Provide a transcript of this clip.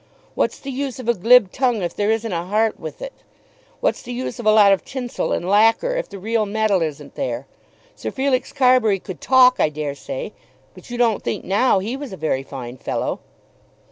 What's the use of a glib tongue if there isn't a heart with it? What's the use of a lot of tinsel and lacker, if the real metal isn't there? Sir Felix Carbury could talk, I dare say, but you don't think now he was a very fine fellow."